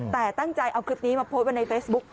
แต่ตั้งใจเอาคลิปนี้มาโพสต์ไว้ในเฟซบุ๊ค